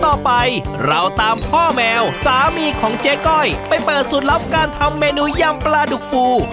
ต่อไปเราตามพ่อแมวสามีของเจ๊ก้อยไปเปิดสูตรลับการทำเมนูยำปลาดุกฟู